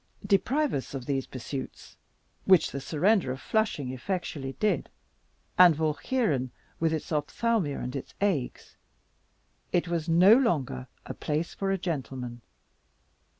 Deprive us of these pursuits, which the surrender of Flushing effectually did, and Walcheren, with its ophthalmia and its agues, was no longer a place for a gentleman.